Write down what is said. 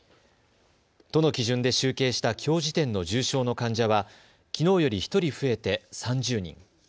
都の基準で集計したきょう時点の重症の患者はきのうより１人増えて３０人。